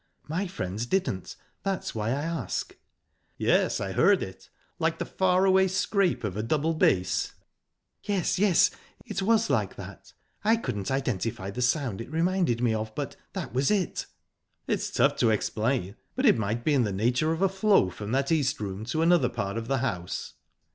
My friends didn't that's why I ask." "Yes, I heard it. like the far away scrape of a double bass." "Yes, yes it was like that. I couldn't identify the sound it reminded me of, but that was it." "It's tough to explain, but it might be in the nature of a flow from that East Room to another part of the house."